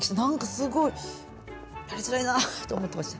すごいやりづらいなと思ってました。